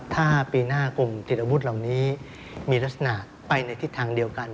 ถ้าปีหน้ากลุ่มติดอาวุธเหล่านี้มีลักษณะไปในทิศทางเดียวกัน